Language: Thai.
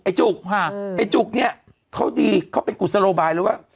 ไอ้จุ๊กไอ้จุ๊กเนี่ยเขาดีเขาเป็นกุศโนโลบายเลยว่า